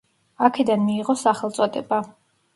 აქედან მიიღო სახელწოდება.